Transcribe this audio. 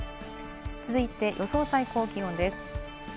続いて予想最高気温です。